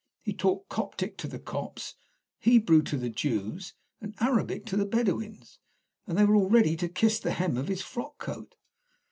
He talked Coptic to the Copts, and Hebrew to the Jews, and Arabic to the Bedouins, and they were all ready to kiss the hem of his frock coat.